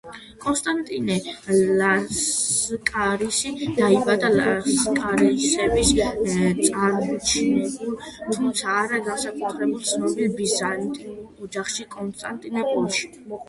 კონსტანტინე ლასკარისი დაიბადა ლასკარისების წარჩინებულ, თუმცა არა განსაკუთრებით ცნობილ ბიზანტიურ ოჯახში კონსტანტინოპოლში.